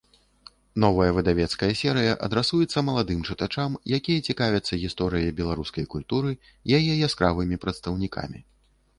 Новая выдавецкая серыя адрасуецца маладым чытачам, якія цікавяцца гісторыяй беларускай культуры, яе яскравымі прадстаўнікамі.